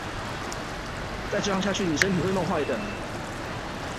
再這樣下去妳身體會弄壞的